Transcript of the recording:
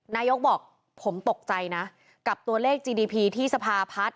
นายกบอกผมตกใจนะกับตัวเลขจีดีพีที่สภาพัฒน์